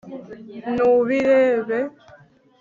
ntubirebe